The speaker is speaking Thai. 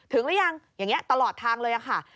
ถึงแล้วยังอย่างนี้ตลอดทางเลยค่ะ